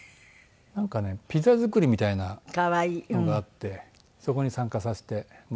なんかねピザ作りみたいなのがあってそこに参加させてもらって。